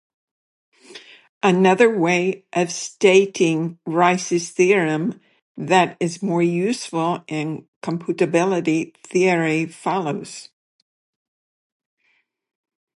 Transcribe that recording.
Another way of stating Rice's theorem that is more useful in computability theory follows.